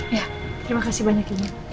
ya terima kasih banyaknya